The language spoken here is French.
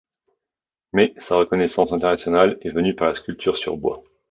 Mais sa reconnaissance internationale est venue par la sculpture sur bois.